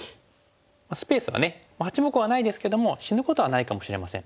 ８目はないですけども死ぬことはないかもしれません。